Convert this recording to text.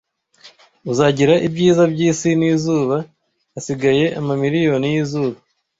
Uzagira ibyiza byisi nizuba, (hasigaye amamiriyoni yizuba,)